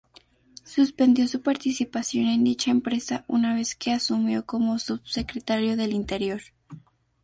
Suspendió su participación en dicha empresa una vez que asumió como Subsecretario del Interior.